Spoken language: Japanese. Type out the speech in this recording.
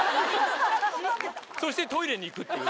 そしてトイレに行くっていう。